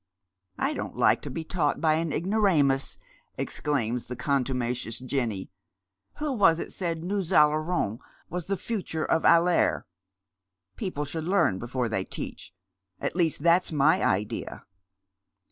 " I don't Hke to be taught by an ignoramus," exclaims the con tumacious Jenny. " Who was it said nous ailerons was the future of aller ? People should learn before they teach. At least, that's my idea."